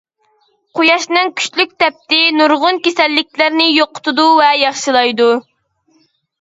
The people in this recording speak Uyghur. قۇياشنىڭ كۈچلۈك تەپتى نۇرغۇن كېسەللىكلەرنى يوقىتىدۇ ۋە ياخشىلايدۇ.